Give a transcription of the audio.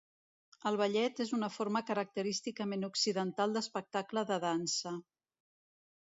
El ballet és una forma característicament occidental d'espectacle de dansa.